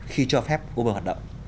khi cho phép uber hoạt động